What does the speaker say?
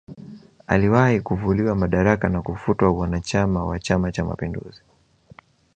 Aliwahi kuvuliwa madaraka na kufutwa uanachama wa chama cha mapinduzi